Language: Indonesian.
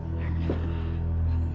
bangun sudah pagi